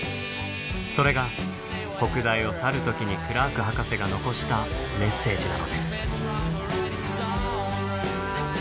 それが北大を去る時にクラーク博士が残したメッセージなのです。